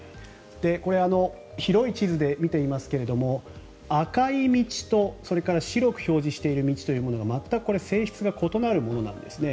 これ、広い地図で見ていますが赤い道と、それから白く表示している道というのが全く性質が異なるということなんですね。